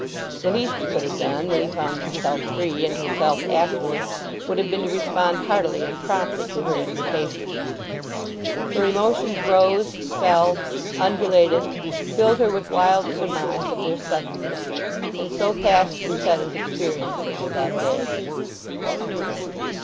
The least he could have done when he found himself free, and herself affluent, would have been to respond heartily and promptly to her invitation. Her emotions rose, fell, undulated, filled her with wild surmise at their suddenness; and so passed Lucetta's experiences of that day.